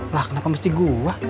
lah kenapa mesti gua